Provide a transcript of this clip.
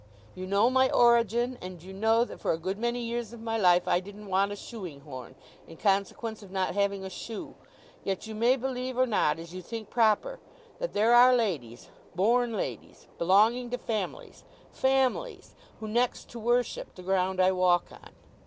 You know my origin; and you know that for a good many years of my life I didn't want a shoeing horn, in consequence of not having a shoe. Yet you may believe or not, as you think proper, that there are ladies—born ladies—belonging to families—Families!—who next to worship the ground I walk on.